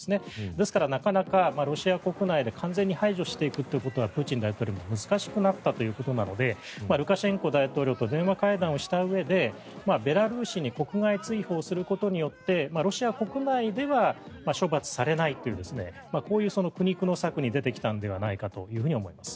ですから、なかなかロシア国内で完全に排除していくということはプーチン大統領も難しくなったということなのでルカシェンコ大統領と電話会談をしたうえでベラルーシに国外追放することによってロシア国内では処罰されないというこういう苦肉の策に出てきたのではないかと思います。